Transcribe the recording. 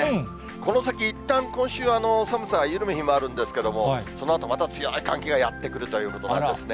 この先いったん、今週、寒さが緩む日もあるんですけど、そのあとまた強い寒気がやって来るということなんですね。